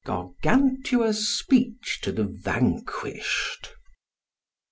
Gargantua's speech to the vanquished.